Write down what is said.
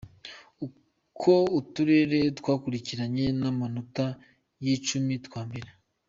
Uko uturere twakurikiranye n’amanota y’icumi twa mbere